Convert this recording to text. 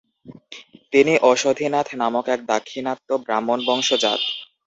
তিনি ওষধিনাথ নামক এক দাক্ষিণাত্য ব্রাহ্মণবংশ জাত।